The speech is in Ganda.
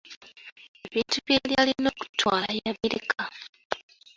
Ebintu bye yali alina okutwala yabireka.